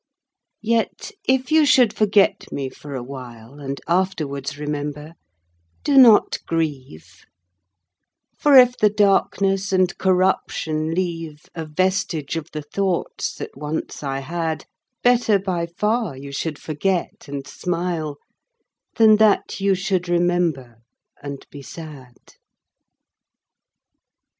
Yet if you should forget me for a while And afterwards remember, do not grieve: For if the darkness and corruption leave A vestige of the thoughts that once I had, Better by far you should forget and smile Than that you should remember and be sad.